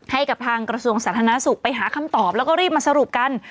ให้กับทางกระทรวงสาธารณสุขไปหาคำตอบแล้วก็รีบมาสรุปกัน